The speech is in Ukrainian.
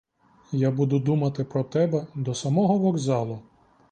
Я буду думати про тебе до самого вокзалу.